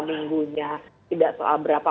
minggunya tidak soal berapa